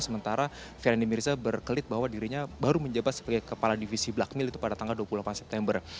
sementara ferdi mirza berkelit bahwa dirinya baru menjabat sebagai kepala divisi blak mill itu pada tanggal dua puluh delapan september